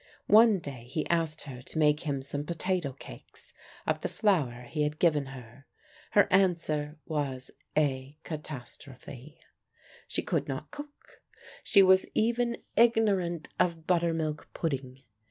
One day he asked her to make him some potato cakes of the flour he had given her. Her answer was a THE MARRIAGE OF THE MILLER 159 catastrophe. She could not cook ; she was even igno rant of buttermilk pudding.